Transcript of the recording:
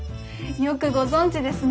よくご存じですね。